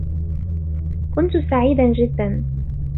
كنت سعيدا جدا.